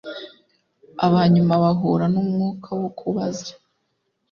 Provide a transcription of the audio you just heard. aba nyuma bahura numwuka wo kubaza